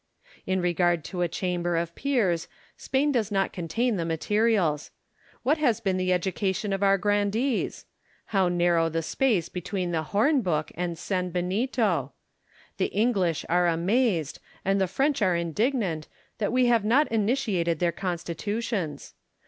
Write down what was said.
In regard to a Chamber of Peers, Spain does not contain the materials. What has been the education of our grandees? How nari'ow the space between the horn book and sanbenito I The English are amazed, and the French are indignant, that we have not imitated their Constitutions.